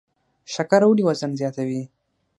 شکر ولې وزن زیاتوي؟